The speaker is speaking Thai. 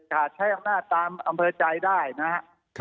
ใช้อำนาจตามอำเภอใจได้นะครับ